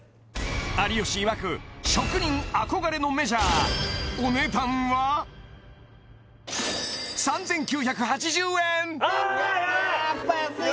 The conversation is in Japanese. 有吉いわく職人憧れのメジャーお値段は？ああヤバい！